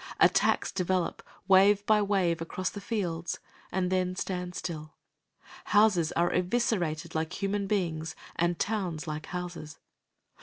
Attacks develop, wave by wave, across the fields and then stand still. Houses are eviscerated like human beings and towns like houses.